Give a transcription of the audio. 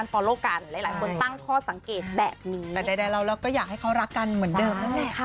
หลายหลายคนตั้งข้อสังเกตแบบนี้แต่ใดใดเราก็อยากให้เขารักกันเหมือนเดิม